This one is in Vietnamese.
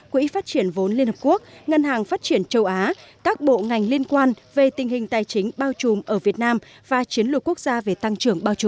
quỹ phát triển vốn liên hợp quốc ngân hàng phát triển châu á các bộ ngành liên quan về tình hình tài chính bao trùm ở việt nam và chiến lược quốc gia về tăng trưởng